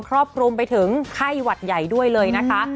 ครอบคลุมไปถึงไข้หวัดใหญ่ด้วยเลยนะคะ